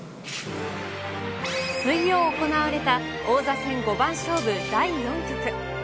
水曜行われた王座戦五番勝負第４局。